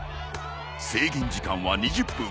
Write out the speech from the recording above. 制限時間は２０分。